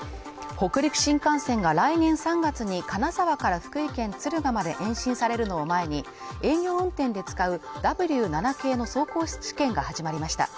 北陸新幹線が来年３月に金沢から福井県敦賀まで延伸されるのを前に営業運転で使うＷ７系の走行試験が始まりました